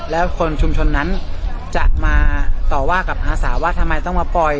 แล้วคนชุมชนนั้นจะมาต่อว่ากับอาสาว่าทำไมต้องมาปล่อย